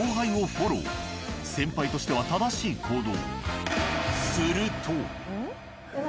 先輩としては正しい行動。